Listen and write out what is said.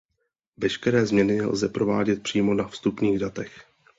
Veškeré změny lze provádět přímo na vstupních datech.